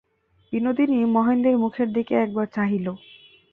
বিনোদিনী মহেন্দ্রের মুখের দিকে একবার চাহিল।